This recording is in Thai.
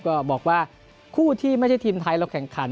ก็บอกว่าคู่ที่ไม่ใช่ทีมไทยเราแข่งขัน